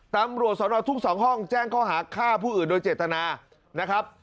ตำรวจสนทุ่ง๒ห้องแจ้งข้อหาฆ่าผู้อื่นโดยเจตนานะครับ